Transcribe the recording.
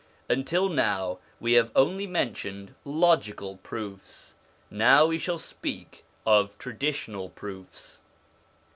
Until now we have only mentioned logical proofs; now we shall speak of traditional proofs.